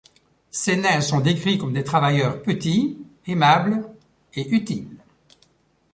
Ces nains sont décrits comme des travailleurs petits, aimables et utiles.